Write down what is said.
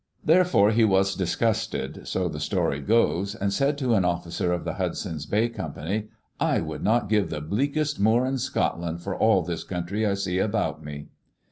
Therefore he was disgusted, so the story goes, and said to an officer of the Hudson's Bay Company, "I would not give the bleakest moor in Scot land for all this country I see about me.'